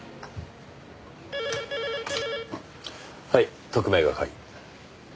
はい特命係。